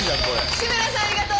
志村さんありがとう！